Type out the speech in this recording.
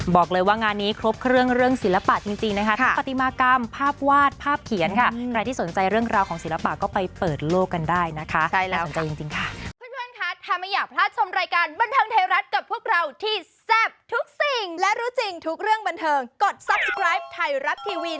บอกเลยว่างานนี้ครบเครื่องเรื่องศิลปะจริงนะคะทั้งปฏิมากรรมภาพวาดภาพเขียนค่ะใครที่สนใจเรื่องราวของศิลปะก็ไปเปิดโลกกันได้นะคะ